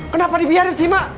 kenapa dibiarin sih mak